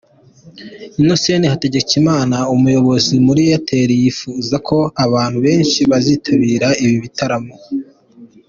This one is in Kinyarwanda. Innocent Hategekimana, umuyobozi muri Airtel, yifuza ko abantu benshi bazitabira ibi bitaramo.